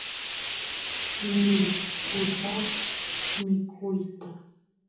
mishpusaq mikuyta